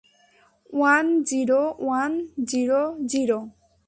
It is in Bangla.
One, zero, one, zero, zero!